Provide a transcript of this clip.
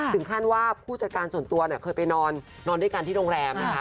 ถึงขั้นว่าผู้จัดการส่วนตัวเนี่ยเคยไปนอนด้วยกันที่โรงแรมนะคะ